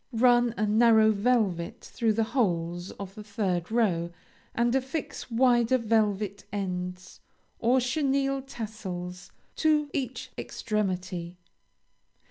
Run a narrow velvet through the holes of the third row and affix wider velvet ends, or chenille tassels to each extremity.